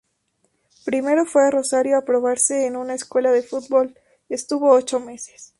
Primero fue a Rosario a probarse en una escuela de fútbol, estuvo ocho meses.